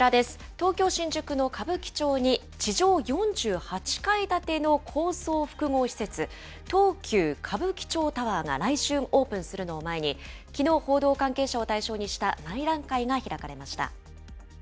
東京・新宿の歌舞伎町に地上４８階建ての高層複合施設、東急歌舞伎町タワーが来週オープンするのを前に、きのう、報道関係者を対象にした内覧会が開かれました。